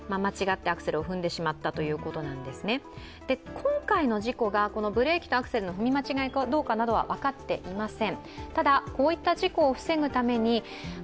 今回の事故がブレーキとアクセルの踏み違えかどうかなどは分かっていません。